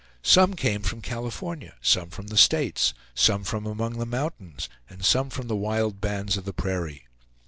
Some came from California, some from the States, some from among the mountains, and some from the wild bands of the prairie.